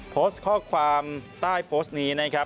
โพสต์ข้อความใต้โพสต์นี้นะครับ